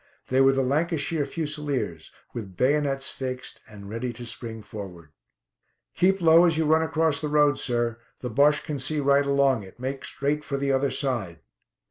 They were the Lancashire Fusiliers, with bayonets fixed, and ready to spring forward. "Keep low as you run across the road, sir. The Bosche can see right along it; make straight for the other side."